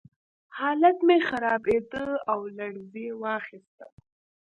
حالت مې خرابېده او لړزې واخیستم